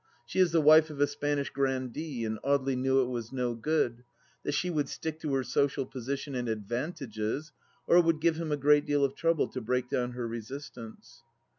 She is the wife of a Spanish grandee, and Audely knew it was no good, that she would stick to her social position and advantages, or would give him a great deal of trouble to break down her resistance.